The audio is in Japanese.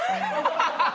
ハハハハ。